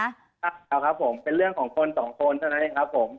เอาครับผมเป็นเรื่องของคนสองคนเท่านั้นเองครับผม